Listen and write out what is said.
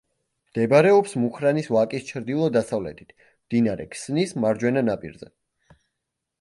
მდებარეობს მუხრანის ვაკის ჩრდილო-დასავლეთით, მდინარე ქსნის მარჯვენა ნაპირზე.